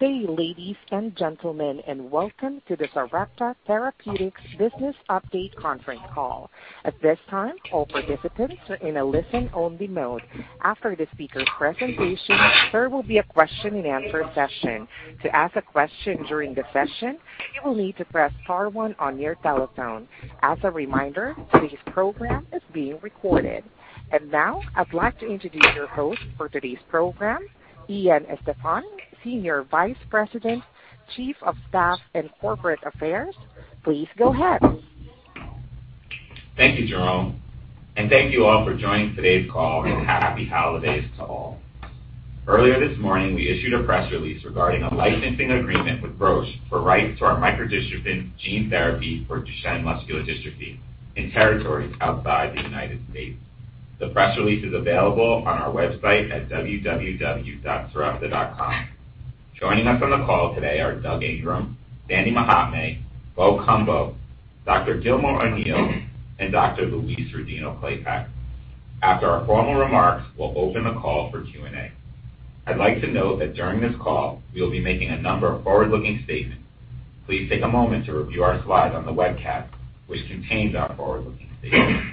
Good day, ladies and gentlemen, welcome to the Sarepta Therapeutics Business Update Conference Call. At this time, all participants are in a listen-only mode. After the speaker presentation, there will be a question and answer session. To ask a question during the session, you will need to press star one on your telephone. As a reminder, today's program is being recorded. Now I'd like to introduce your host for today's program, Ian Estepan, Senior Vice President, Chief of Staff and Corporate Affairs. Please go ahead. Thank you, Jerome, and thank you all for joining today's call, and happy holidays to all. Earlier this morning, we issued a press release regarding a licensing agreement with Roche for rights to our microdystrophin gene therapy for Duchenne muscular dystrophy in territories outside the U.S. The press release is available on our website at www.sarepta.com. Joining us on the call today are Doug Ingram, Sandy Mohammadi, Bo Cumbo, Dr. Gilmore O'Neill, and Dr. Louise Rodino-Klapac. After our formal remarks, we'll open the call for Q&A. I'd like to note that during this call, we will be making a number of forward-looking statements. Please take a moment to review our slides on the webcast, which contains our forward-looking statements.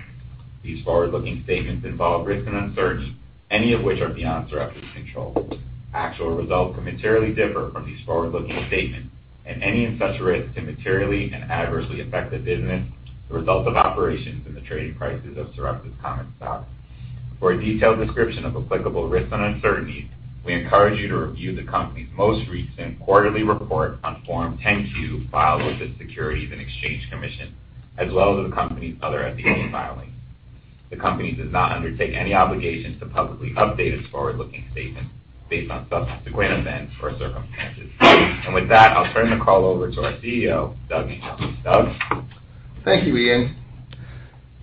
These forward-looking statements involve risks and uncertainties, any of which are beyond Sarepta's control. Actual results can materially differ from these forward-looking statements, and any such risks can materially and adversely affect the business, the results of operations, and the trading prices of Sarepta's common stock. For a detailed description of applicable risks and uncertainties, we encourage you to review the company's most recent quarterly report on Form 10-Q filed with the Securities and Exchange Commission, as well as the company's other SEC filings. The company does not undertake any obligation to publicly update its forward-looking statements based on subsequent events or circumstances. With that, I'll turn the call over to our CEO, Doug Ingram. Doug? Thank you, Ian.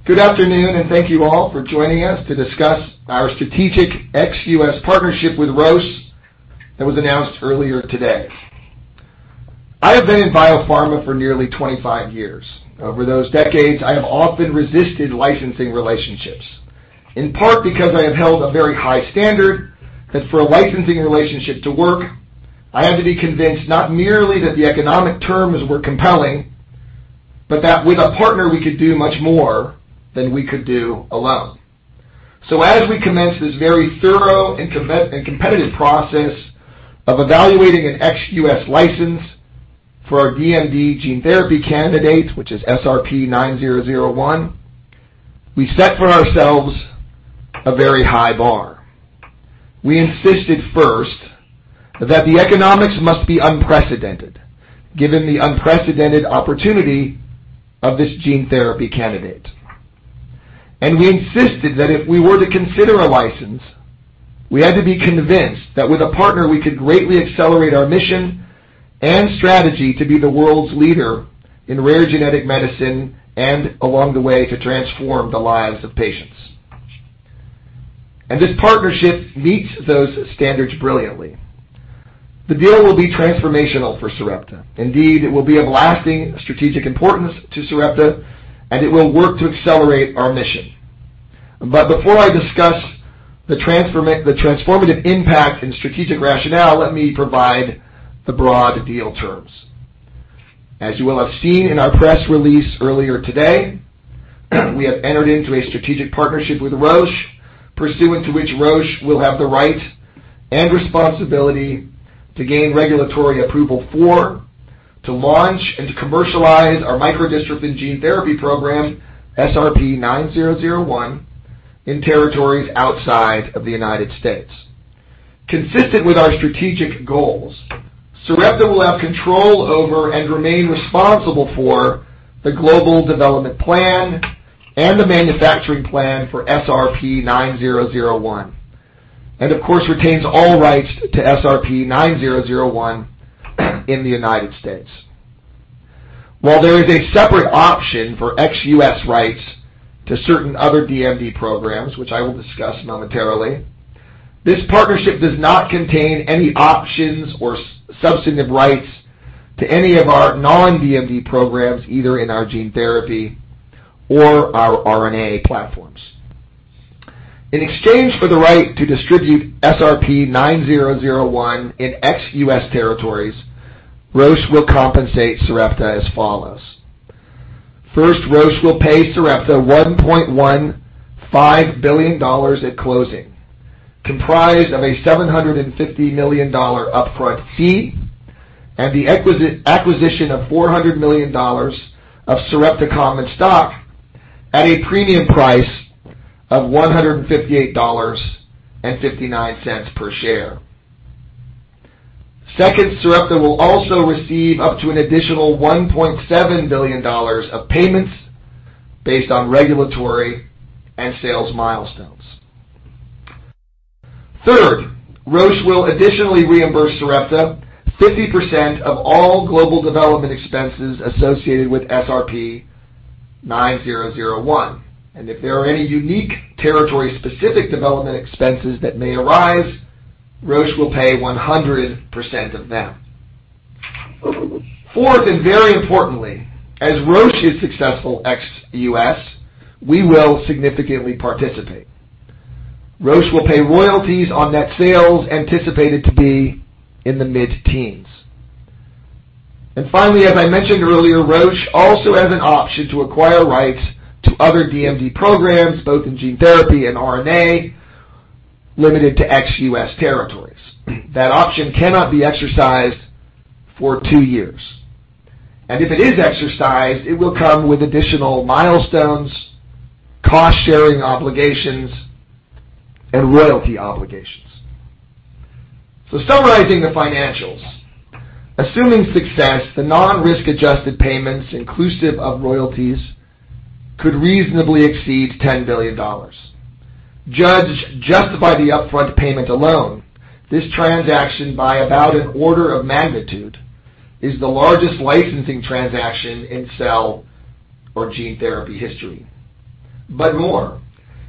Good afternoon, thank you all for joining us to discuss our strategic ex-U.S. partnership with Roche that was announced earlier today. I have been in biopharma for nearly 25 years. Over those decades, I have often resisted licensing relationships, in part because I have held a very high standard that for a licensing relationship to work, I have to be convinced not merely that the economic terms were compelling, but that with a partner, we could do much more than we could do alone. As we commenced this very thorough and competitive process of evaluating an ex-U.S. license for our DMD gene therapy candidate, which is SRP-9001, we set for ourselves a very high bar. We insisted first that the economics must be unprecedented, given the unprecedented opportunity of this gene therapy candidate. We insisted that if we were to consider a license, we had to be convinced that with a partner, we could greatly accelerate our mission and strategy to be the world's leader in rare genetic medicine and along the way, to transform the lives of patients. This partnership meets those standards brilliantly. The deal will be transformational for Sarepta. Indeed, it will be of lasting strategic importance to Sarepta, and it will work to accelerate our mission. Before I discuss the transformative impact and strategic rationale, let me provide the broad deal terms. As you will have seen in our press release earlier today, we have entered into a strategic partnership with Roche, pursuant to which Roche will have the right and responsibility to gain regulatory approval for, to launch, and to commercialize our micro-dystrophin gene therapy program, SRP-9001, in territories outside of the United States. Consistent with our strategic goals, Sarepta will have control over, and remain responsible for, the global development plan and the manufacturing plan for SRP-9001, and of course, retains all rights to SRP-9001 in the United States. While there is a separate option for ex-U.S. rights to certain other DMD programs, which I will discuss momentarily, this partnership does not contain any options or substantive rights to any of our non-DMD programs, either in our gene therapy or our RNA platforms. In exchange for the right to distribute SRP-9001 in ex-U.S. territories, Roche will compensate Sarepta as follows. First, Roche will pay Sarepta $1.15 billion at closing, comprised of a $750 million upfront fee and the acquisition of $400 million of Sarepta common stock at a premium price of $158.59 per share. Second, Sarepta will also receive up to an additional $1.7 billion of payments based on regulatory and sales milestones. Third, Roche will additionally reimburse Sarepta 50% of all global development expenses associated with SRP-9001, and if there are any unique territory-specific development expenses that may arise, Roche will pay 100% of them. Fourth, very importantly, as Roche is successful ex-U.S., we will significantly participate. Roche will pay royalties on net sales anticipated to be in the mid-teens. Finally, as I mentioned earlier, Roche also has an option to acquire rights to other DMD programs, both in gene therapy and RNA, limited to ex-U.S. territories. That option cannot be exercised for two years. If it is exercised, it will come with additional milestones, cost-sharing obligations, and royalty obligations. Summarizing the financials, assuming success, the non-risk adjusted payments inclusive of royalties could reasonably exceed $10 billion. Judged just by the upfront payment alone, this transaction by about an order of magnitude is the largest licensing transaction in cell or gene therapy history. More,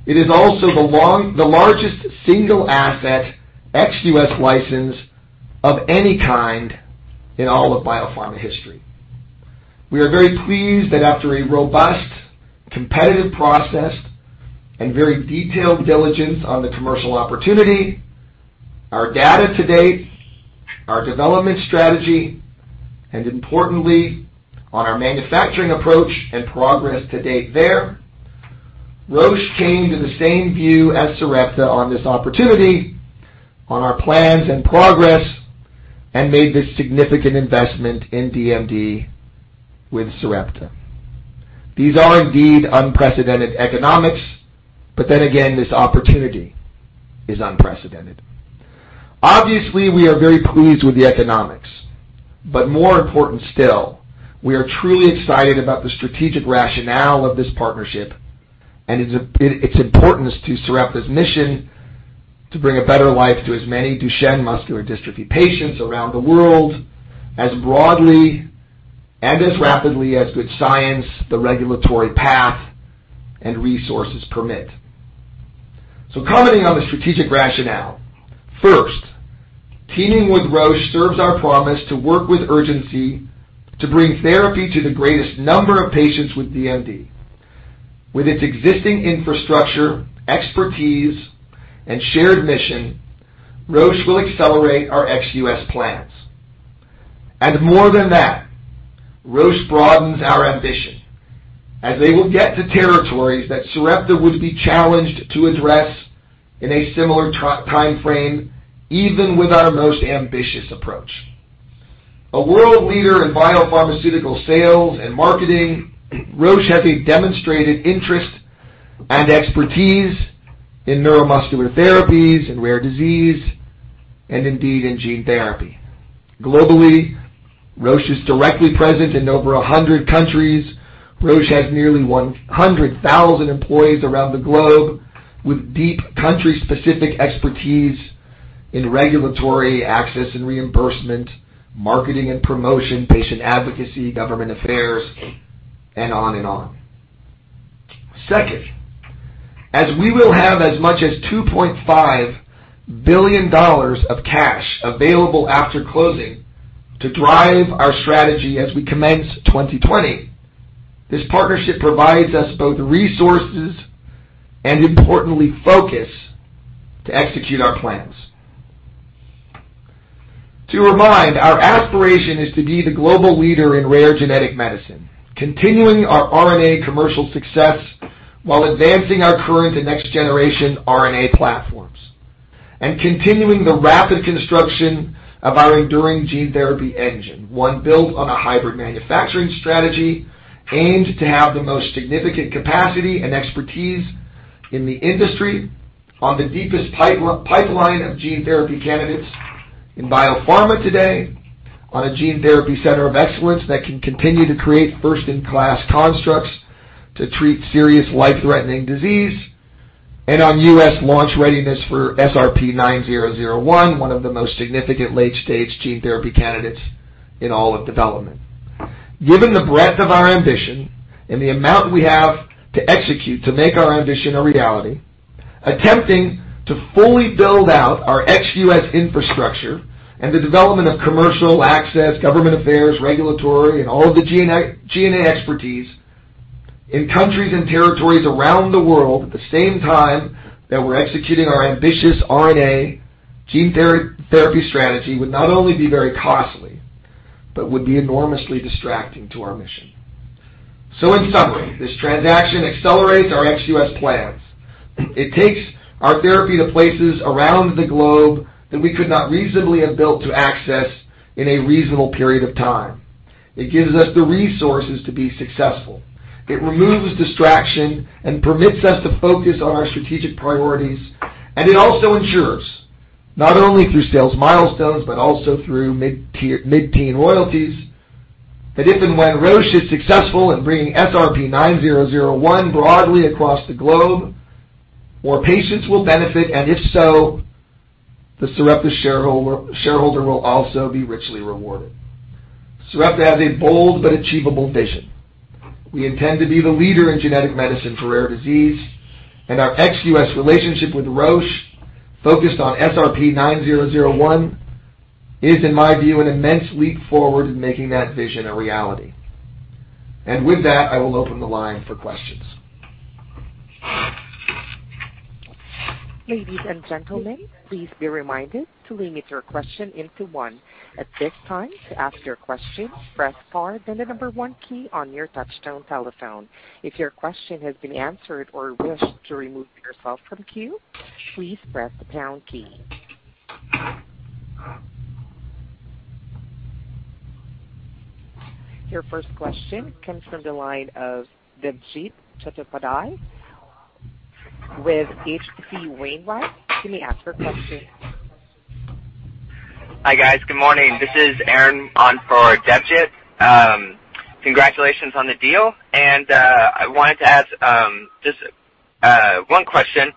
it is also the largest single asset ex-U.S. license of any kind in all of biopharma history. We are very pleased that after a robust competitive process and very detailed diligence on the commercial opportunity, our data to date, our development strategy, and importantly, on our manufacturing approach and progress to date there, Roche came to the same view as Sarepta on this opportunity, on our plans and progress, and made this significant investment in DMD with Sarepta. These are indeed unprecedented economics. Then again, this opportunity is unprecedented. Obviously, we are very pleased with the economics. More important still, we are truly excited about the strategic rationale of this partnership and its importance to Sarepta's mission to bring a better life to as many Duchenne muscular dystrophy patients around the world as broadly and as rapidly as good science, the regulatory path, and resources permit. Commenting on the strategic rationale, first, teaming with Roche serves our promise to work with urgency to bring therapy to the greatest number of patients with DMD. With its existing infrastructure, expertise, and shared mission, Roche will accelerate our ex-U.S. plans. More than that, Roche broadens our ambition, as they will get to territories that Sarepta would be challenged to address in a similar timeframe, even with our most ambitious approach. A world leader in biopharmaceutical sales and marketing, Roche has a demonstrated interest and expertise in neuromuscular therapies and rare disease, and indeed in gene therapy. Globally, Roche is directly present in over 100 countries. Roche has nearly 100,000 employees around the globe with deep country-specific expertise in regulatory access and reimbursement, marketing and promotion, patient advocacy, government affairs, and on and on. Second, as we will have as much as $2.5 billion of cash available after closing to drive our strategy as we commence 2020, this partnership provides us both resources and importantly focus to execute our plans. To remind, our aspiration is to be the global leader in rare genetic medicine, continuing our RNA commercial success while advancing our current and next generation RNA platforms, and continuing the rapid construction of our enduring gene therapy engine. One built on a hybrid manufacturing strategy, aimed to have the most significant capacity and expertise in the industry on the deepest pipeline of gene therapy candidates in biopharma today, on a gene therapy center of excellence that can continue to create first-in-class constructs to treat serious life-threatening disease, and on U.S. launch readiness for SRP-9001, one of the most significant late-stage gene therapy candidates in all of development. Given the breadth of our ambition and the amount we have to execute to make our ambition a reality, attempting to fully build out our ex-U.S. infrastructure and the development of commercial access, government affairs, regulatory, and all of the G&A expertise in countries and territories around the world at the same time that we're executing our ambitious RNA gene therapy strategy would not only be very costly, but would be enormously distracting to our mission. In summary, this transaction accelerates our ex-U.S. plans. It takes our therapy to places around the globe that we could not reasonably have built to access in a reasonable period of time. It gives us the resources to be successful. It removes distraction and permits us to focus on our strategic priorities. It also ensures, not only through sales milestones, but also through mid-teen royalties, that if and when Roche is successful in bringing SRP-9001 broadly across the globe, more patients will benefit, and if so, the Sarepta shareholder will also be richly rewarded. Sarepta has a bold but achievable vision. We intend to be the leader in genetic medicine for rare disease. Our ex-U.S. relationship with Roche, focused on SRP-9001, is, in my view, an immense leap forward in making that vision a reality. With that, I will open the line for questions. Ladies and gentlemen, please be reminded to limit your question into one. At this time, to ask your question, press star, then the number one key on your touchtone telephone. If your question has been answered or wish to remove yourself from queue, please press the pound key. Your first question comes from the line of Debjit Chatterjee with H.C. Wainwright. You may ask your question. Hi, guys. Good morning. This is Aaron on for Debjit. Congratulations on the deal. I wanted to ask just one question.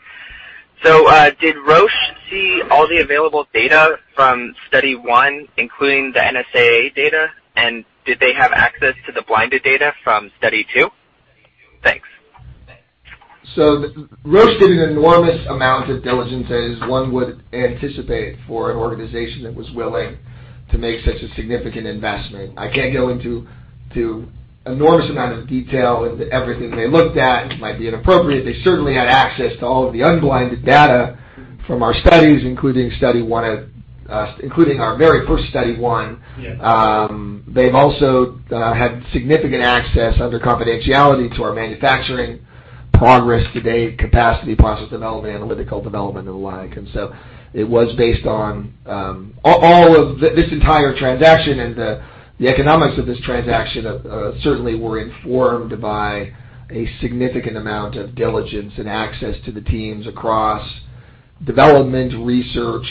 Did Roche see all the available data from Study 101, including the NSAA data, and did they have access to the blinded data from Study 102? Thanks. Roche did an enormous amount of diligence, as one would anticipate for an organization that was willing to make such a significant investment. I can't go into enormous amount of detail into everything they looked at. It might be inappropriate. They certainly had access to all of the unblinded data from our studies, including our very first Study 101. Yes. They've also had significant access under confidentiality to our manufacturing progress to date, capacity, process development, analytical development, and the like. It was based on all of this entire transaction and the economics of this transaction, certainly were informed by a significant amount of diligence and access to the teams across development, research,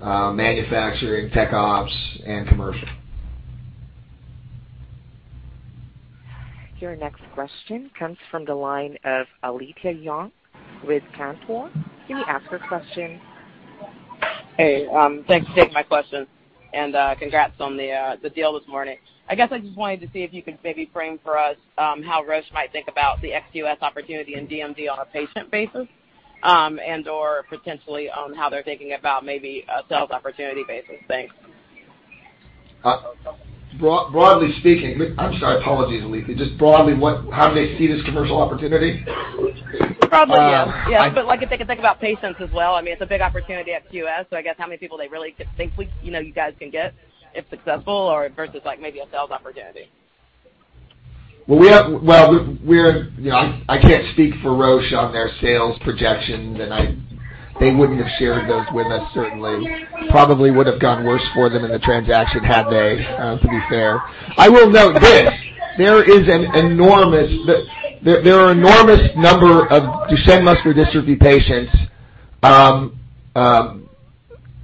manufacturing, Tech Ops, and commercial. Your next question comes from the line of Alethia Young with Cantor. You may ask your question. Hey, thanks for taking my question, and congrats on the deal this morning. I guess I just wanted to see if you could maybe frame for us how Roche might think about the ex-U.S. opportunity in DMD on a patient basis, and/or potentially on how they're thinking about maybe a sales opportunity basis. Thanks. Broadly speaking. I'm sorry. Apologies, Alethia. Just broadly, how do they see this commercial opportunity? Broadly, yes. Yeah. If they could think about patients as well. It's a big opportunity at ex-US, I guess how many people they really could think you guys can get, if successful or versus maybe a sales opportunity? Well, I can't speak for Roche on their sales projections, and they wouldn't have shared those with us certainly. Probably would've gone worse for them in the transaction had they, to be fair. I will note this. There are enormous number of Duchenne muscular dystrophy patients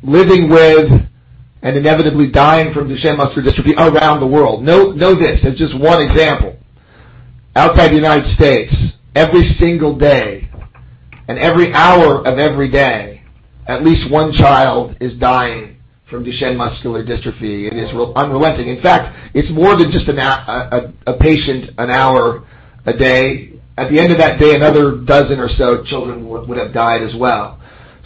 living with and inevitably dying from Duchenne muscular dystrophy around the world. Know this, as just one example. Outside the United States, every single day and every hour of every day, at least one child is dying from Duchenne muscular dystrophy, and it's unrelenting. In fact, it's more than just a patient an hour, a day. At the end of that day, another dozen or so children would have died as well.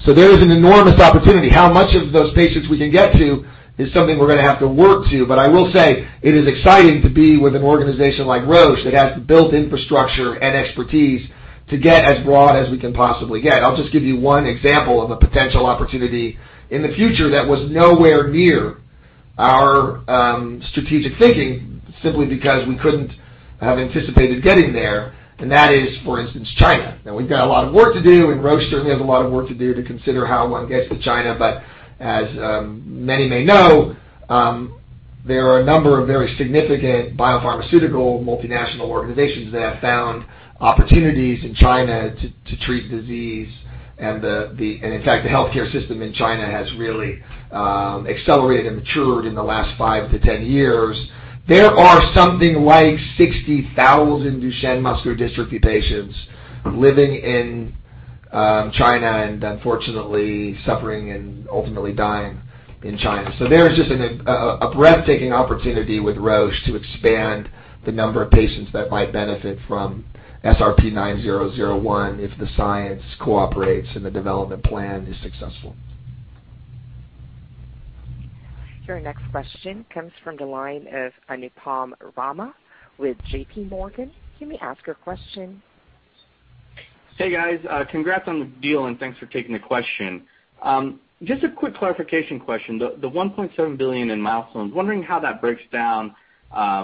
There is an enormous opportunity. How much of those patients we can get to is something we're going to have to work to. I will say it is exciting to be with an organization like Roche that has the built infrastructure and expertise to get as broad as we can possibly get. I'll just give you one example of a potential opportunity in the future that was nowhere near our strategic thinking, simply because we couldn't have anticipated getting there. That is, for instance, China. We've got a lot of work to do, and Roche certainly has a lot of work to do to consider how one gets to China. As many may know, there are a number of very significant biopharmaceutical multinational organizations that have found opportunities in China to treat disease. In fact, the healthcare system in China has really accelerated and matured in the last five to 10 years. There are something like 60,000 Duchenne muscular dystrophy patients living in China and unfortunately suffering and ultimately dying in China. There's just a breathtaking opportunity with Roche to expand the number of patients that might benefit from SRP-9001 if the science cooperates and the development plan is successful. Your next question comes from the line of Anupam Rama with JPMorgan. You may ask your question. Hey, guys. Congrats on the deal, and thanks for taking the question. Just a quick clarification question. The $1.7 billion in milestones, wondering how that breaks down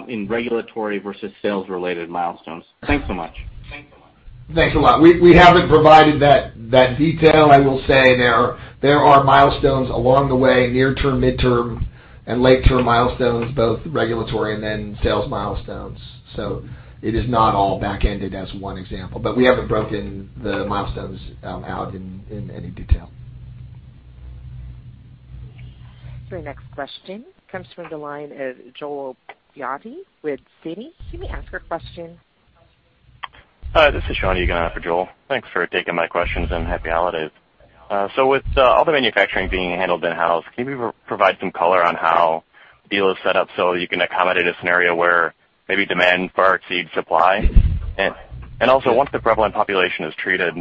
in regulatory versus sales-related milestones. Thanks so much. Thanks a lot. We haven't provided that detail. I will say there are milestones along the way, near term, midterm, and late-term milestones, both regulatory and then sales milestones. It is not all back-ended as one example, but we haven't broken the milestones out in any detail. Your next question comes from the line of Joel Beatty with Citigroup. You may ask your question. Hi, this is Shawn Egan for Joel. Thanks for taking my questions, and happy holidays. With all the manufacturing being handled in-house, can you provide some color on how the deal is set up so you can accommodate a scenario where maybe demand far exceeds supply? Once the prevalent population is treated,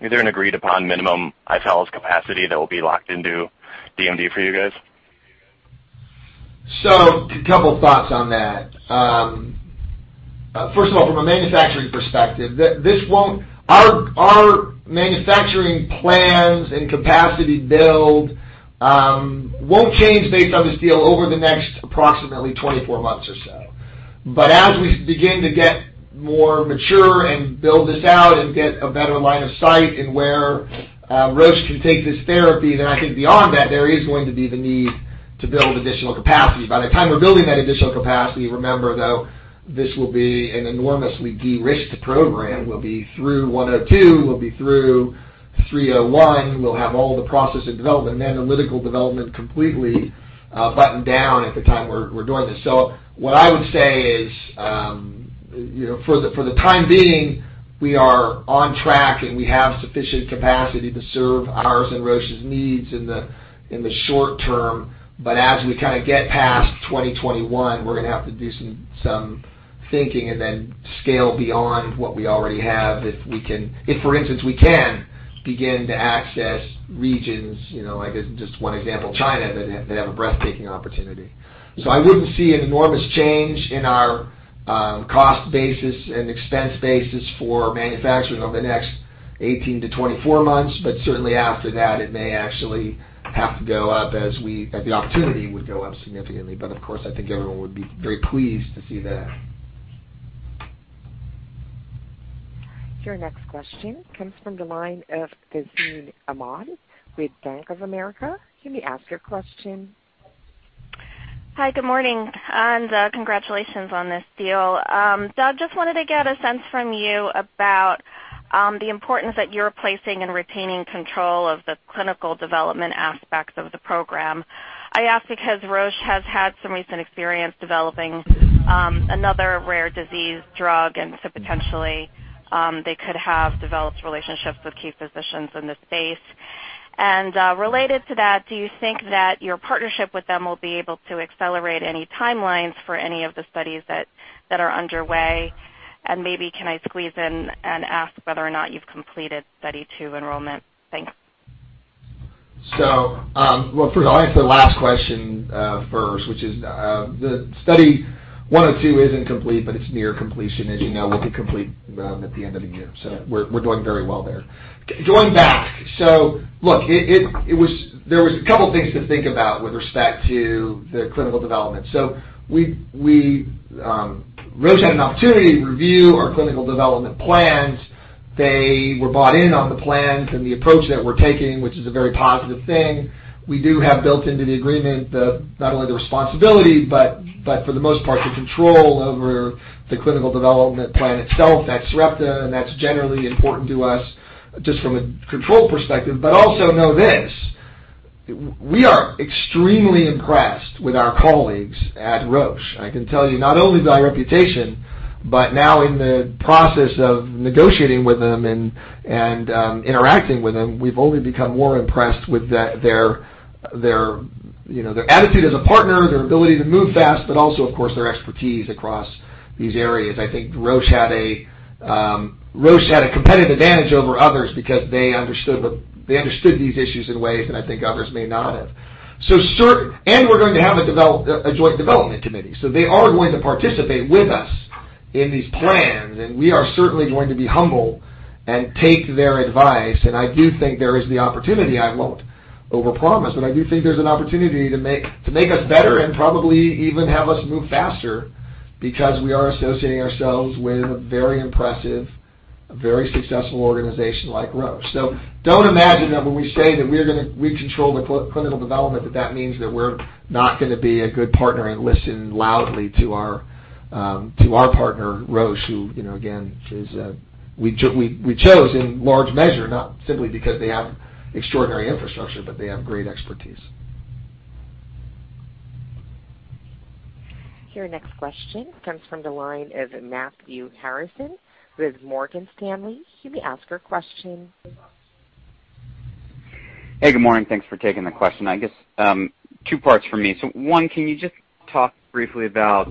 is there an agreed-upon minimum iCELLis capacity that will be locked into DMD for you guys? A couple of thoughts on that. First of all, from a manufacturing perspective, our manufacturing plans and capacity build won't change based on this deal over the next approximately 24 months or so. As we begin to get more mature and build this out and get a better line of sight in where Roche can take this therapy, then I think beyond that, there is going to be the need to build additional capacity. By the time we're building that additional capacity, remember, though, this will be an enormously de-risked program. We'll be through 102, we'll be through 301, we'll have all the process of development and analytical development completely buttoned down at the time we're doing this. What I would say is, for the time being, we are on track, and we have sufficient capacity to serve ours and Roche's needs in the short term. As we get past 2021, we're going to have to do some thinking and then scale beyond what we already have. If, for instance, we can begin to access regions, like just one example, China, that have a breathtaking opportunity. I wouldn't see an enormous change in our cost basis and expense basis for manufacturing over the next 18 to 24 months. Certainly, after that, it may actually have to go up as the opportunity would go up significantly. Of course, I think everyone would be very pleased to see that. Your next question comes from the line of Tazeen Ahmad with Bank of America. You may ask your question. Hi, good morning, and congratulations on this deal. Doug, just wanted to get a sense from you about the importance that you're placing in retaining control of the clinical development aspects of the program. I ask because Roche has had some recent experience developing another rare disease drug, and so potentially, they could have developed relationships with key physicians in this space. Related to that, do you think that your partnership with them will be able to accelerate any timelines for any of the studies that are underway? Maybe can I squeeze in and ask whether or not you've completed Study 102 enrollment? Thanks. Well first, I'll answer the last question first, which is the Study 102 isn't complete, but it's near completion. As you know, we'll be complete at the end of the year. We're doing very well there. Going back. Look, there was a couple of things to think about with respect to the clinical development. Roche had an opportunity to review our clinical development plans. They were bought in on the plans and the approach that we're taking, which is a very positive thing. We do have built into the agreement, not only the responsibility, but for the most part, the control over the clinical development plan itself. That's Sarepta, and that's generally important to us just from a control perspective. Also know this, we are extremely impressed with our colleagues at Roche. I can tell you not only by reputation, but now in the process of negotiating with them and interacting with them, we've only become more impressed with their attitude as a partner, their ability to move fast, but also, of course, their expertise across these areas. I think Roche had a competitive advantage over others because they understood these issues in ways that I think others may not have. We're going to have a joint development committee. They are going to participate with us in these plans, and we are certainly going to be humble and take their advice. I do think there is the opportunity, I won't overpromise, but I do think there's an opportunity to make us better and probably even have us move faster because we are associating ourselves with a very impressive, very successful organization like Roche. Don't imagine that when we say that we control the clinical development, that means that we're not going to be a good partner and listen loudly to our partner, Roche, who, again, we chose in large measure, not simply because they have extraordinary infrastructure, but they have great expertise. Your next question comes from the line of Matthew Harrison with Morgan Stanley. You may ask your question. Hey, good morning. Thanks for taking the question. I guess, two parts from me. One, can you just talk briefly about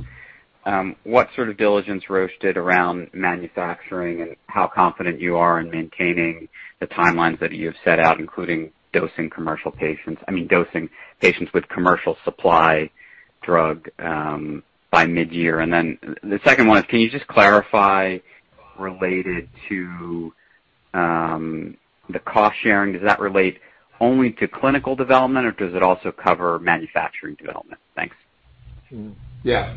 what sort of diligence Roche did around manufacturing and how confident you are in maintaining the timelines that you have set out, including dosing patients with commercial supply drug by mid-year. The second one is, can you just clarify, related to the cost sharing, does that relate only to clinical development, or does it also cover manufacturing development? Thanks. Yeah.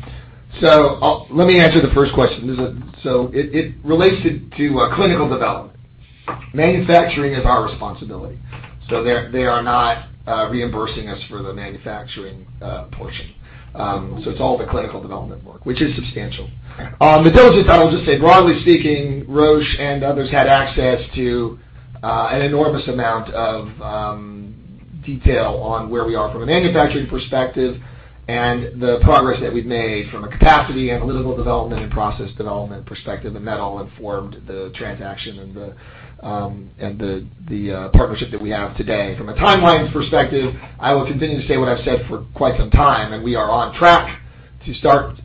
Let me answer the first question. It relates to clinical development. Manufacturing is our responsibility. They are not reimbursing us for the manufacturing portion. It's all the clinical development work, which is substantial. On the diligence, I will just say, broadly speaking, Roche and others had access to an enormous amount of detail on where we are from a manufacturing perspective and the progress that we've made from a capacity, analytical development, and process development perspective, and that all informed the transaction and the partnership that we have today. From a timelines perspective, I will continue to say what I've said for quite some time, and we are on track to start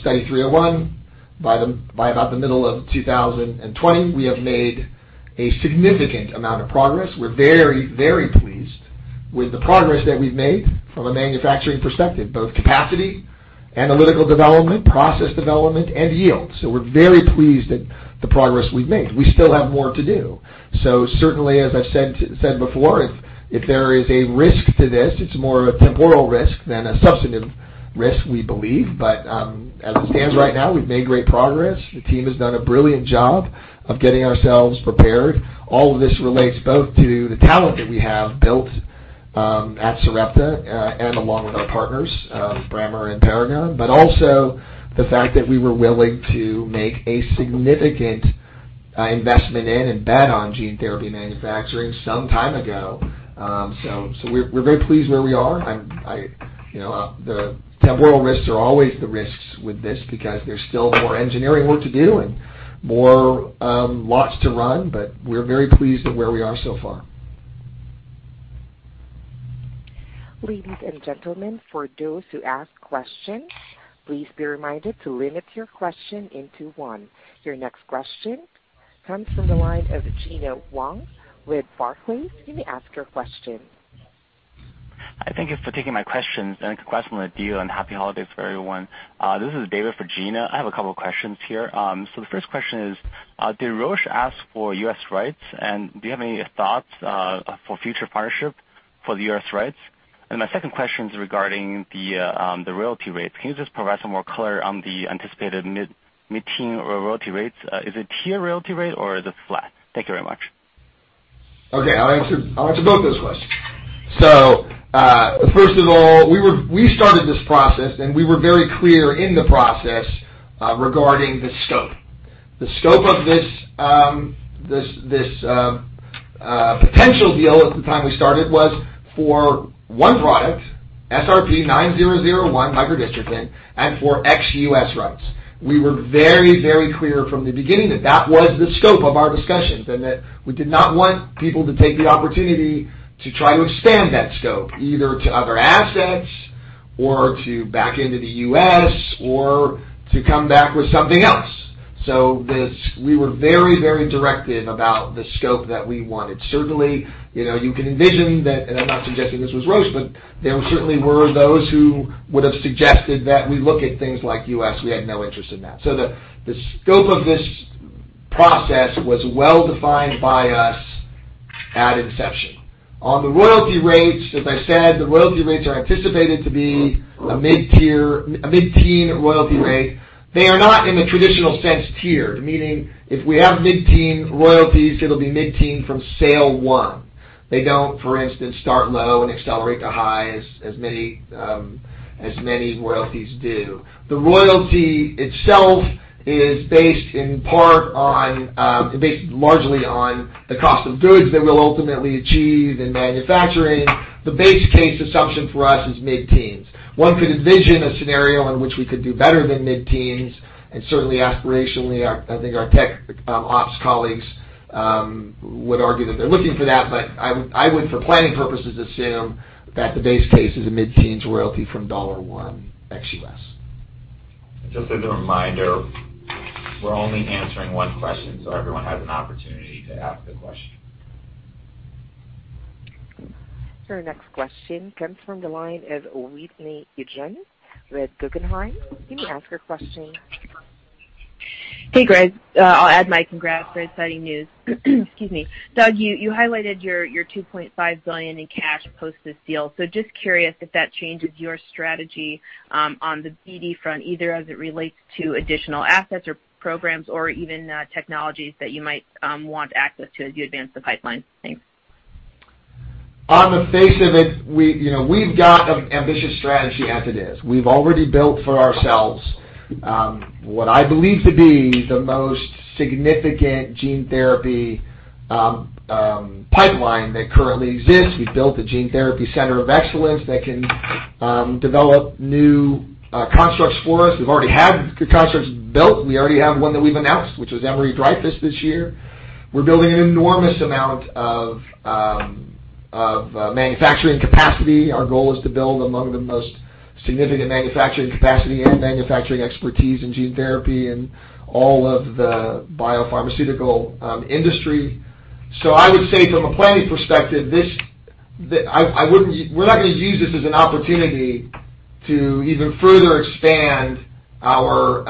Study 301 by about the middle of 2020. We have made a significant amount of progress. We're very, very pleased with the progress that we've made from a manufacturing perspective, both capacity, analytical development, process development, and yield. We're very pleased at the progress we've made. We still have more to do. Certainly, as I've said before, if there is a risk to this, it's more of a temporal risk than a substantive risk, we believe. As it stands right now, we've made great progress. The team has done a brilliant job of getting ourselves prepared. All of this relates both to the talent that we have built at Sarepta and along with our partners, Brammer and Paragon. Also the fact that we were willing to make a significant investment in and bet on gene therapy manufacturing some time ago. We're very pleased where we are. The temporal risks are always the risks with this because there's still more engineering work to do and more lots to run. We're very pleased at where we are so far. Ladies and gentlemen, for those who ask questions, please be reminded to limit your question into one. Your next question comes from the line of Gena Wang with Barclays. You may ask your question. Thank you for taking my questions. Congrats [on the deal] and happy holidays to everyone. This is David for Gena. I have a couple of questions here. The first question is, did Roche ask for U.S. rights, and do you have any thoughts for future partnership for the U.S. rights? My second question is regarding the royalty rates. Can you just provide some more color on the anticipated mid-teen royalty rates? Is it tier royalty rate or is it flat? Thank you very much. I'll answer both those questions. First of all, we started this process, and we were very clear in the process regarding the scope. The scope of this potential deal at the time we started was for one product, SRP-9001, microdystrophin, and for ex-U.S. rights. We were very, very clear from the beginning that that was the scope of our discussions and that we did not want people to take the opportunity to try to expand that scope, either to other assets or to back into the U.S. or to come back with something else. We were very, very directive about the scope that we wanted. Certainly, you can envision that, and I'm not suggesting this was Roche, but there certainly were those who would have suggested that we look at things like U.S. We had no interest in that. The scope of this process was well-defined by us at inception. On the royalty rates, as I said, the royalty rates are anticipated to be a mid-teen royalty rate. They are not in the traditional sense tiered, meaning if we have mid-teen royalties, it'll be mid-teen from sale one. They don't, for instance, start low and accelerate to high as many royalties do. The royalty itself is based largely on the cost of goods that we'll ultimately achieve in manufacturing. The base case assumption for us is mid-teens. One could envision a scenario in which we could do better than mid-teens, and certainly aspirationally, I think our tech ops colleagues would argue that they're looking for that. I would, for planning purposes, assume that the base case is a mid-teens royalty from $1 ex-U.S. Just as a reminder, we're only answering one question so everyone has an opportunity to ask a question. Your next question comes from the line of Whitney Ijem with Guggenheim. You may ask your question. Hey, Doug. I'll add my congrats for exciting news. Excuse me. Doug, you highlighted your $2.5 billion in cash post this deal. Just curious if that changes your strategy on the BD front, either as it relates to additional assets or programs or even technologies that you might want access to as you advance the pipeline. Thanks. On the face of it, we've got an ambitious strategy as it is. We've already built for ourselves what I believe to be the most significant gene therapy pipeline that currently exists. We've built a gene therapy center of excellence that can develop new constructs for us. We've already had constructs built. We already have one that we've announced, which is Emery-Dreifuss this year. We're building an enormous amount of manufacturing capacity. Our goal is to build among the most significant manufacturing capacity and manufacturing expertise in gene therapy and all of the biopharmaceutical industry. I would say from a planning perspective, we're not going to use this as an opportunity to even further expand our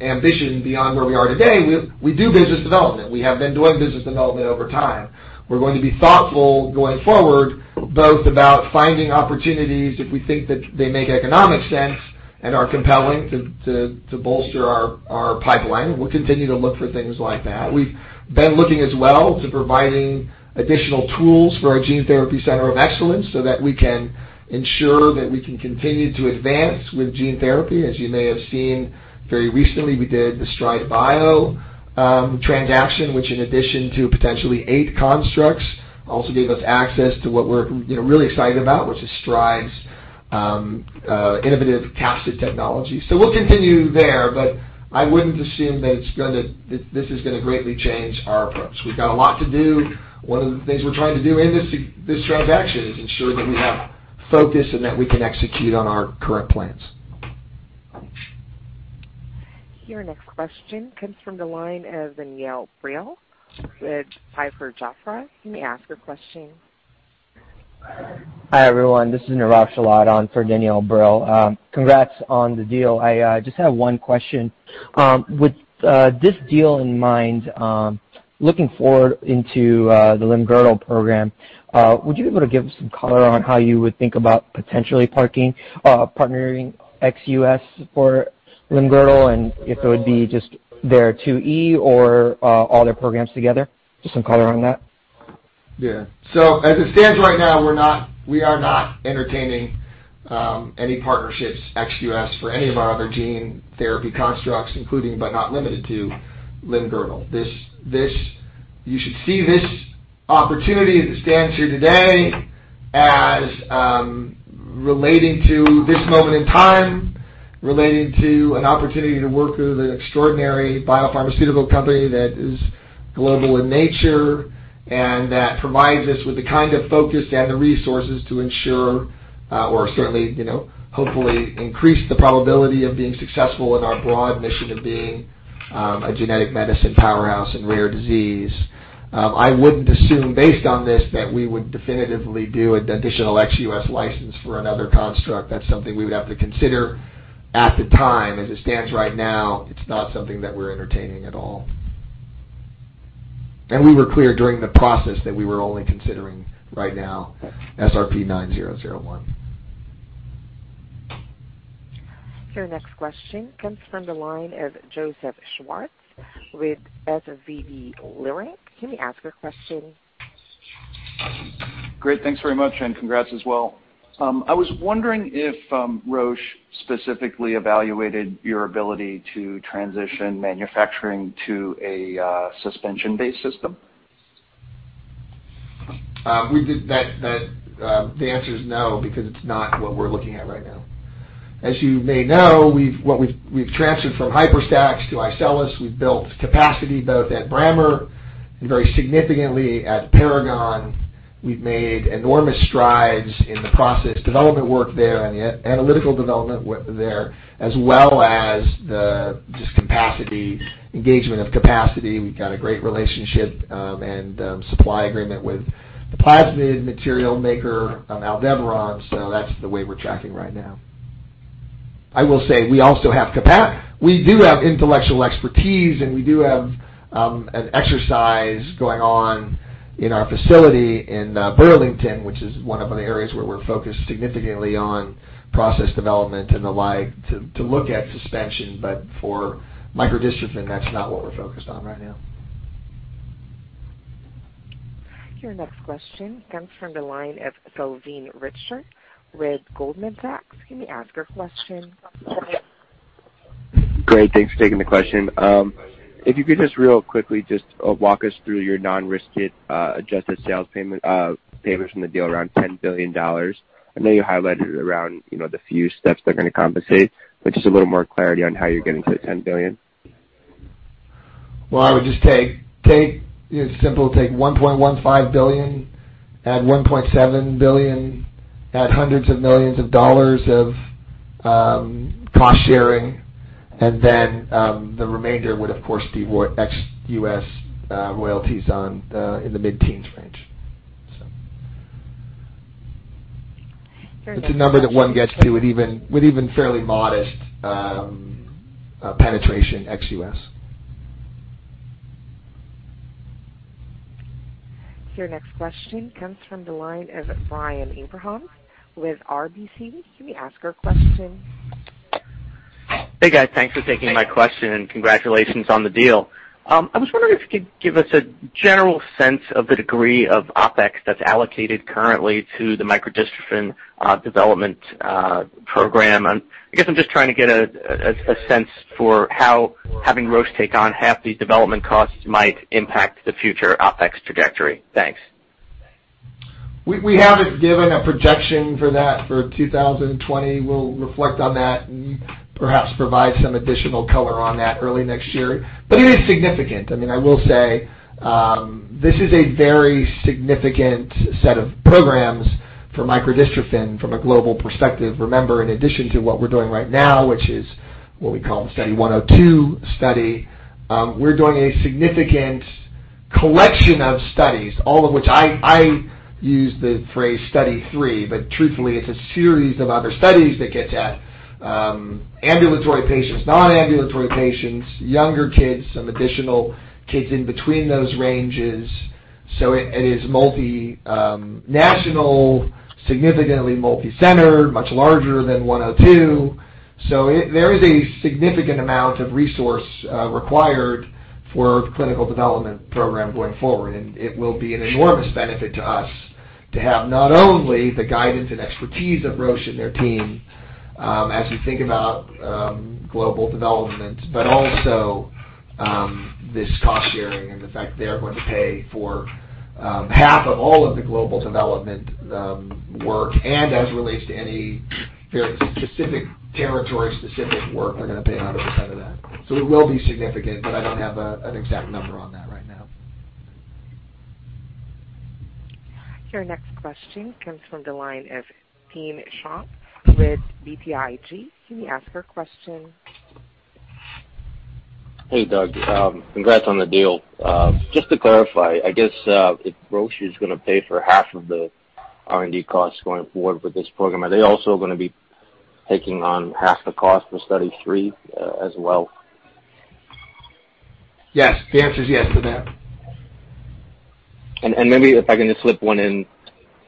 ambition beyond where we are today. We do business development. We have been doing business development over time. We're going to be thoughtful going forward, both about finding opportunities if we think that they make economic sense and are compelling to bolster our pipeline. We'll continue to look for things like that. We've been looking as well to providing additional tools for our gene therapy center of excellence so that we can ensure that we can continue to advance with gene therapy. As you may have seen very recently, we did the StrideBio transaction, which in addition to potentially eight constructs, also gave us access to what we're really excited about, which is StrideBio's innovative, patented technology. We'll continue there, but I wouldn't assume that this is going to greatly change our approach. We've got a lot to do. One of the things we're trying to do in this transaction is ensure that we have focus and that we can execute on our current plans. Your next question comes from the line of Danielle Brill, with Piper Sandler. You may ask your question. Hi, everyone. This is Nirav Shelat on for Danielle Brill. Congrats on the deal. I just have one question. With this deal in mind, looking forward into the Limb-girdle program, would you be able to give some color on how you would think about potentially partnering ex-U.S. for Limb-girdle and if it would be just their 2E or all their programs together? Just some color on that. Yeah. As it stands right now, we are not entertaining any partnerships ex-U.S. for any of our other gene therapy constructs, including, but not limited to Limb-girdle. You should see this opportunity as it stands here today as relating to this moment in time, relating to an opportunity to work with an extraordinary biopharmaceutical company that is global in nature, and that provides us with the kind of focus and the resources to ensure, or certainly, hopefully, increase the probability of being successful in our broad mission of being a genetic medicine powerhouse in rare disease. I wouldn't assume based on this, that we would definitively do an additional ex-U.S. license for another construct. That's something we would have to consider at the time. As it stands right now, it's not something that we're entertaining at all. We were clear during the process that we were only considering right now SRP-9001. Your next question comes from the line of Joseph Schwartz with SVB Leerink. You may ask your question. Great. Thanks very much, and congrats as well. I was wondering if Roche specifically evaluated your ability to transition manufacturing to a suspension-based system? The answer is no, because it's not what we're looking at right now. As you may know, we've transferred from HYPERStack to iCELLis. We've built capacity both at Brammer and very significantly at Paragon. We've made enormous strides in the process development work there and the analytical development there, as well as just capacity, engagement of capacity. We've got a great relationship and supply agreement with the plasmid material maker, Aldevron. That's the way we're tracking right now. I will say we do have intellectual expertise, and we do have an exercise going on in our facility in Burlington, which is one of the areas where we're focused significantly on process development and the like to look at suspension. For microdystrophin, that's not what we're focused on right now. Your next question comes from the line of Salveen Richter with Goldman Sachs. You may ask your question. Great. Thanks for taking the question. If you could just real quickly just walk us through your non-risk-adjusted sales payments from the deal around $10 billion. I know you highlighted around the few steps they're going to compensate, just a little more clarity on how you're getting to the $10 billion. Well, it's simple. Take $1.15 billion, add $1.7 billion, add hundreds of millions of dollars of cost sharing, and then the remainder would, of course, be ex-U.S. royalties in the mid-teens range. It's a number that one gets to with even fairly modest penetration ex-U.S. Your next question comes from the line of Brian Abrahams with RBC. You may ask your question. Hey, guys. Thanks for taking my question. Congratulations on the deal. I was wondering if you could give us a general sense of the degree of OpEx that's allocated currently to the micro-dystrophin development program. I guess I'm just trying to get a sense for how having Roche take on half the development costs might impact the future OpEx trajectory. Thanks. We haven't given a projection for that for 2020. We'll reflect on that and perhaps provide some additional color on that early next year. It is significant. I will say, this is a very significant set of programs for micro-dystrophin from a global perspective. Remember, in addition to what we're doing right now, which is what we call the Study 102 study, we're doing a significant collection of studies, all of which I use the phrase Study 3, but truthfully, it's a series of other studies that gets at ambulatory patients, non-ambulatory patients, younger kids, some additional kids in between those ranges. It is multinational, significantly multi-centered, much larger than 102. There is a significant amount of resource required for clinical development program going forward, and it will be an enormous benefit to us to have not only the guidance and expertise of Roche and their team, as you think about global development, but also this cost sharing and the fact they're going to pay for half of all of the global development work, and as it relates to any very specific territory, specific work, they're going to pay 100% of that. It will be significant, but I don't have an exact number on that right now. Your next question comes from the line of Tim Chiang with BTIG. Can you ask your question? Hey, Doug. Congrats on the deal. Just to clarify, I guess, if Roche is going to pay for half of the R&D costs going forward with this program, are they also going to be taking on half the cost for Study 3 as well? Yes. The answer is yes to that. Maybe if I can just slip one in.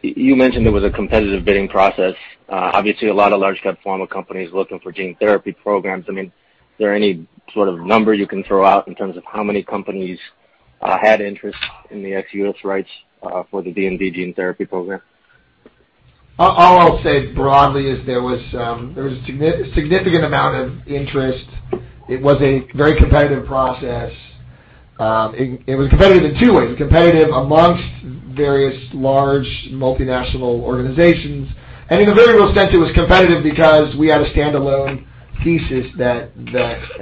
You mentioned there was a competitive bidding process. Obviously, a lot of large cap pharma companies looking for gene therapy programs. Is there any sort of number you can throw out in terms of how many companies had interest in the ex-U.S. rights for the DMD gene therapy program? All I'll say broadly is there was a significant amount of interest. It was a very competitive process. It was competitive in two ways. It was competitive amongst various large multinational organizations, and in a very real sense, it was competitive because we had a standalone thesis that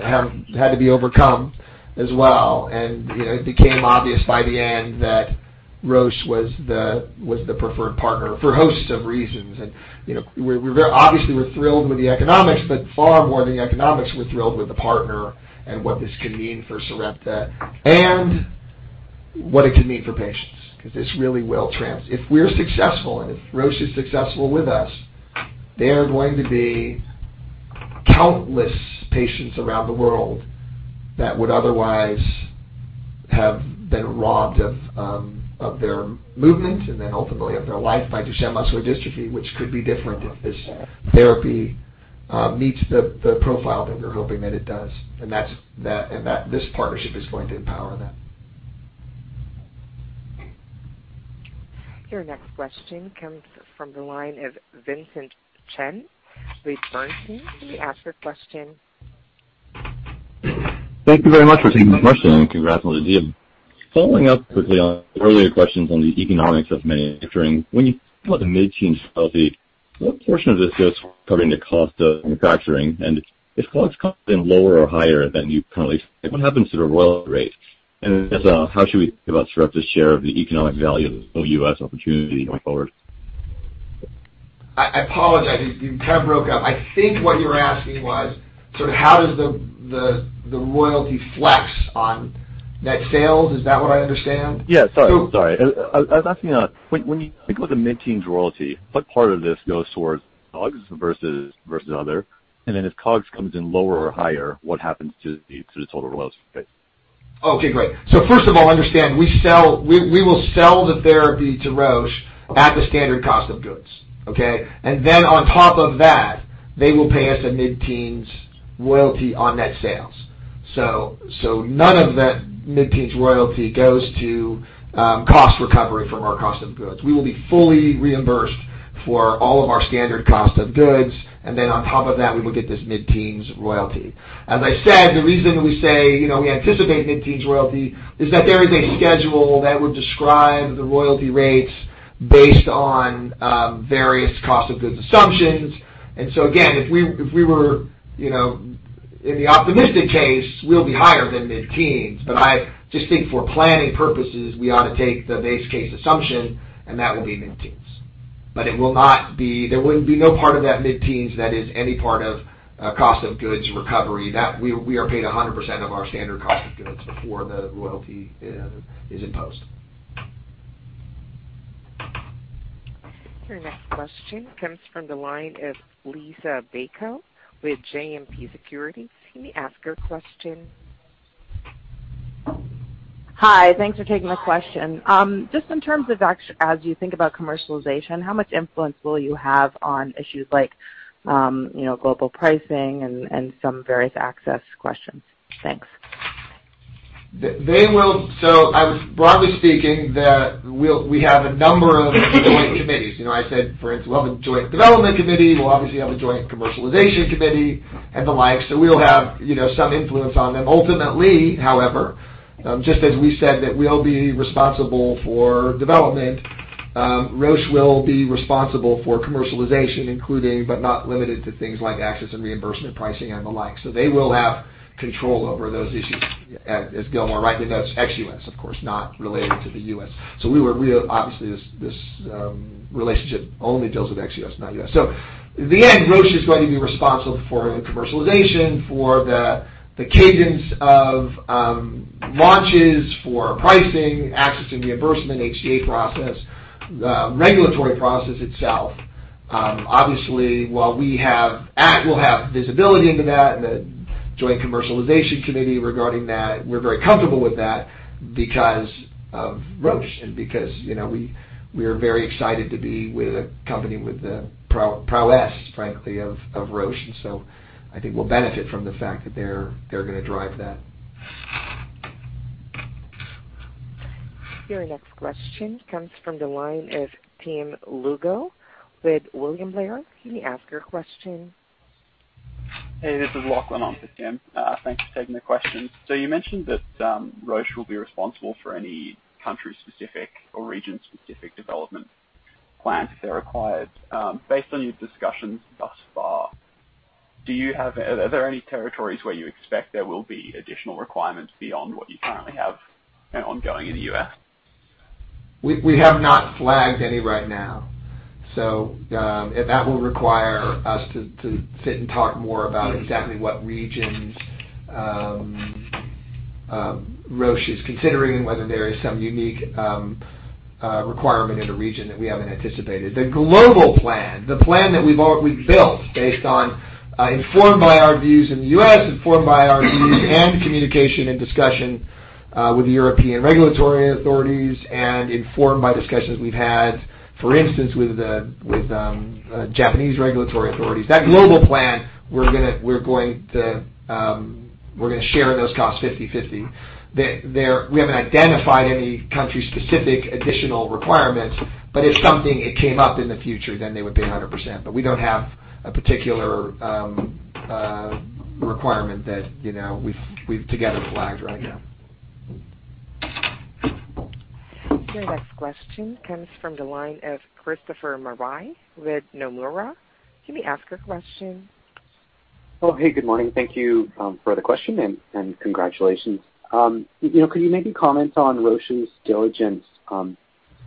had to be overcome as well. It became obvious by the end that Roche was the preferred partner for hosts of reasons. Obviously, we're thrilled with the economics, but far more than the economics, we're thrilled with the partner and what this could mean for Sarepta and what it could mean for patients, because this really will If we're successful, and if Roche is successful with us, there are going to be countless patients around the world that would otherwise have been robbed of their movement and then ultimately of their life by Duchenne muscular dystrophy, which could be different if this therapy meets the profile that we're hoping that it does. This partnership is going to empower that. Your next question comes from the line of Vincent Chen, Bernstein. Can you ask your question? Thank you very much for taking the question. Congrats on the deal. Following up quickly on earlier questions on the economics of manufacturing. When you talk about the mid-teens royalty, what portion of this is covering the cost of manufacturing? If COGS comes in lower or higher than you currently, what happens to the royalty rate? I guess, how should we think about Sarepta's share of the economic value of this ex-US opportunity going forward? I apologize. You kind of broke up. I think what you were asking was, how does the royalty flex on net sales? Is that what I understand? Yeah. Sorry. I was asking, when you think about the mid-teens royalty, what part of this goes towards COGS versus other? If COGS comes in lower or higher, what happens to the total royalty rate? Okay, great. First of all, understand, we will sell the therapy to Roche at the standard cost of goods. Okay. On top of that, they will pay us a mid-teens royalty on net sales. None of that mid-teens royalty goes to cost recovery from our cost of goods. We will be fully reimbursed for all of our standard cost of goods, and then on top of that, we will get this mid-teens royalty. As I said, the reason we say we anticipate mid-teens royalty is that there is a schedule that would describe the royalty rates based on various cost of goods assumptions. Again, if we were in the optimistic case, we'll be higher than mid-teens. I just think for planning purposes, we ought to take the base case assumption, and that will be mid-teens. There will be no part of that mid-teens that is any part of cost of goods recovery. We are paid 100% of our standard cost of goods before the royalty is imposed. Your next question comes from the line of Liisa Bayko with JMP Securities. Can you ask your question? Hi. Thanks for taking my question. In terms of as you think about commercialization, how much influence will you have on issues like global pricing and some various access questions? Thanks. I would broadly speaking, that we have a number of joint committees. I said, for instance, we'll have a joint development committee. We'll obviously have a joint commercialization committee and the like. We'll have some influence on them. Ultimately, however, just as we said that we'll be responsible for development, Roche will be responsible for commercialization, including, but not limited to things like access and reimbursement, pricing, and the like. They will have control over those issues, as Gilmore rightly notes, ex-U.S., of course, not related to the U.S. Obviously, this relationship only deals with ex-U.S., not U.S. In the end, Roche is going to be responsible for the commercialization, for the cadence of launches, for pricing, access, and reimbursement, HTA process, regulatory process itself. While we'll have visibility into that and the joint commercialization committee regarding that, we're very comfortable with that because of Roche and because we are very excited to be with a company with the prowess, frankly, of Roche. I think we'll benefit from the fact that they're going to drive that. Your next question comes from the line of Tim Lugo with William Blair. Can you ask your question? Hey, this is Lachlan on for Tim. Thanks for taking the question. You mentioned that Roche will be responsible for any country-specific or region-specific development plans if they're required. Based on your discussions thus far, are there any territories where you expect there will be additional requirements beyond what you currently have ongoing in the U.S.? We have not flagged any right now. That will require us to sit and talk more about exactly what regions Roche is considering and whether there is some unique requirement in a region that we haven't anticipated. The global plan, the plan that we've built based on, informed by our views in the U.S., informed by our views and communication and discussion with the European regulatory authorities and informed by discussions we've had, for instance, with Japanese regulatory authorities. That global plan, we're going to share those costs 50/50. We haven't identified any country-specific additional requirements. If something came up in the future, then they would pay 100%. We don't have a particular requirement that we've together flagged right now. Your next question comes from the line of Christopher Marai with Nomura. Can you ask your question? Good morning. Thank you for the question and congratulations. Could you maybe comment on Roche's diligence on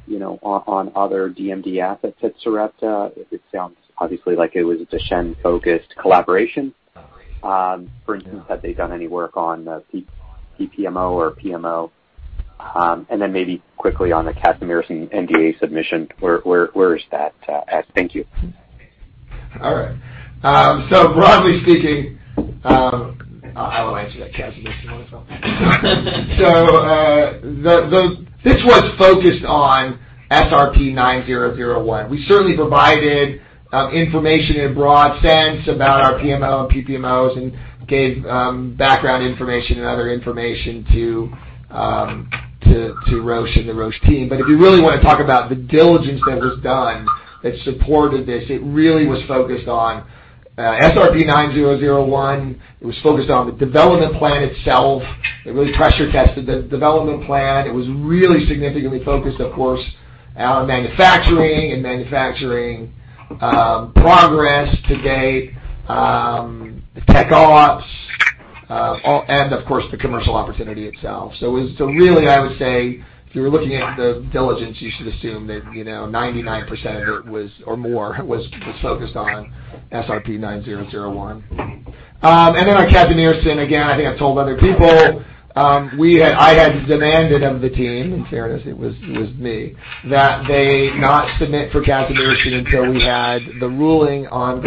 other DMD assets at Sarepta? It sounds obviously like it was a Duchenne-focused collaboration. For instance, have they done any work on PPMO or PMO? Maybe quickly on the casimersen NDA submission, where is that at? Thank you. All right. Broadly speaking, I will answer that casimersen one. This was focused on SRP-9001. We certainly provided information in a broad sense about our PMO and PPMOs and gave background information and other information to Roche and the Roche team. If you really want to talk about the diligence that was done that supported this, it really was focused on SRP-9001. It was focused on the development plan itself. It really pressure tested the development plan. It was really significantly focused, of course, on manufacturing and manufacturing progress to date, the tech ops, and of course, the commercial opportunity itself. Really, I would say, if you're looking at the diligence, you should assume that 99% of it or more was focused on SRP-9001. On casimersen, again, I think I've told other people, I had demanded of the team, in fairness, it was me, that they not submit for casimersen until we had the ruling on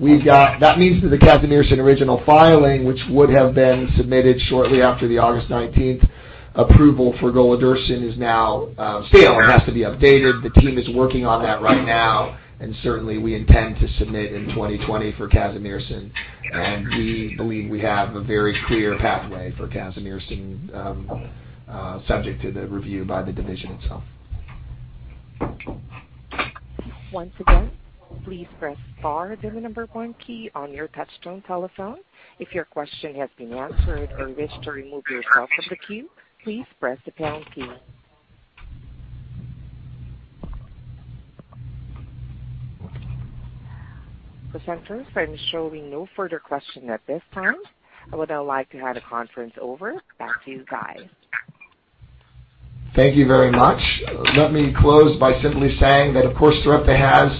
golodirsen. That means that the casimersen original filing, which would have been submitted shortly after the August 19th approval for golodirsen, is now stale and has to be updated. The team is working on that right now, and certainly, we intend to submit in 2020 for casimersen, and we believe we have a very clear pathway for casimersen subject to the review by the division itself. Once again, please press star, then the number 1 key on your touch-tone telephone. If your question has been answered or wish to remove yourself from the queue, please press the pound key. Presenters, I'm showing no further questions at this time. I would now like to hand the conference over. Back to you, guys. Thank you very much. Let me close by simply saying that, of course, Sarepta has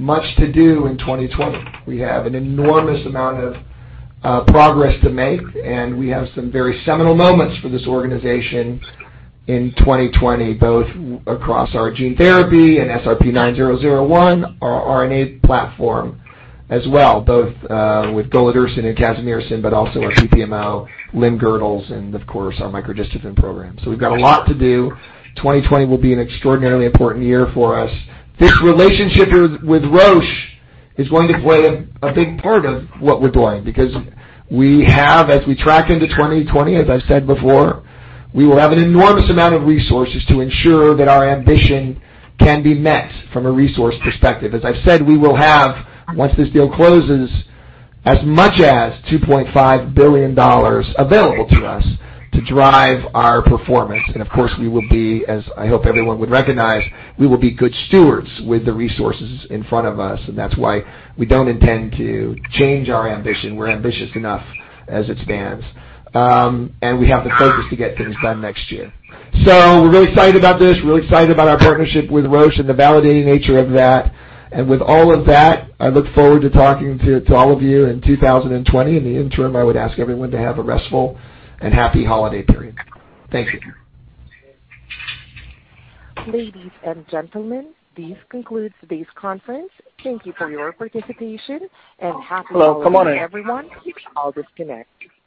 much to do in 2020. We have an enormous amount of progress to make, and we have some very seminal moments for this organization in 2020, both across our gene therapy and SRP-9001, our RNA platform as well, both with golodirsen and casimersen, but also our PPMO, Limb-girdles, and of course, our micro-dystrophin program. We've got a lot to do. 2020 will be an extraordinarily important year for us. This relationship with Roche is going to play a big part of what we're doing because we have, as we track into 2020, as I've said before, we will have an enormous amount of resources to ensure that our ambition can be met from a resource perspective. As I've said, we will have, once this deal closes, as much as $2.5 billion available to us to drive our performance. Of course, we will be, as I hope everyone would recognize, we will be good stewards with the resources in front of us, and that's why we don't intend to change our ambition. We're ambitious enough as it stands. We have the focus to get things done next year. We're really excited about this. Really excited about our partnership with Roche and the validating nature of that. With all of that, I look forward to talking to all of you in 2020. In the interim, I would ask everyone to have a restful and happy holiday period. Thank you. Ladies and gentlemen, this concludes today's conference. Thank you for your participation, and happy holidays, everyone. You can all disconnect.